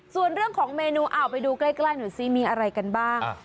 ส่วนเรื่องของเมนูเอาไปดูใกล้หน่อยซิมีอะไรกันบ้าง